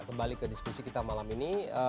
kembali ke diskusi kita malam ini